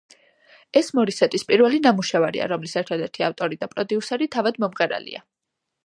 ეს მორისეტის პირველი ნამუშევარია, რომლის ერთადერთი ავტორი და პროდიუსერი თავად მომღერალია.